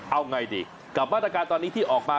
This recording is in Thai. เอาไงดีกับมาตรการตอนนี้ที่ออกมา